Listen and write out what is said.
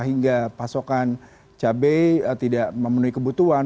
hingga pasokan cabai tidak memenuhi kebutuhan